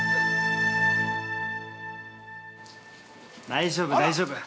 ◆大丈夫、大丈夫。